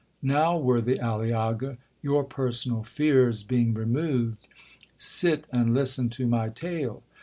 Now, worthy Aliaga, your personal fears being removed, sit and listen to my tale.